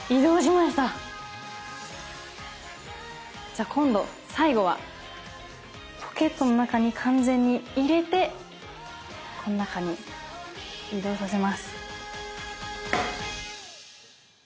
じゃあ今度最後はポケットの中に完全に入れてこの中に移動させます。